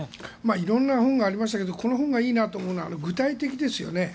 色んな本がありましたがこの本がいいなと思うのは具体的ですよね。